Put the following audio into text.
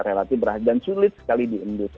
relatif dan sulit sekali diendus